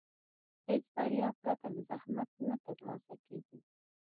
هېڅ بریا پرته له زحمت نه ترلاسه کېږي.